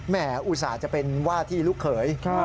อุตส่าห์จะเป็นว่าที่ลูกเขย